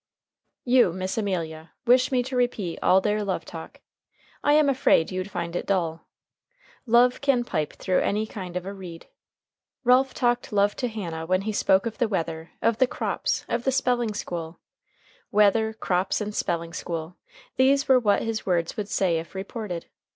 You, Miss Amelia, wish me to repeat all their love talk. I am afraid you'd find it dull. Love can pipe through any kind of a reed. Ralph talked love to Hannah when he spoke of the weather, of the crops, of the spelling school. Weather, crops, and spelling school these were what his words would say if reported.